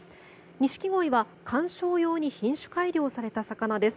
ニシキゴイは観賞用に品種改良された魚です。